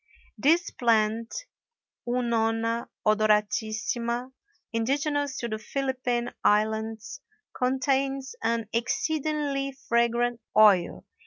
This plant, Unona odoratissima, indigenous to the Philippine Islands, contains an exceedingly fragrant oil.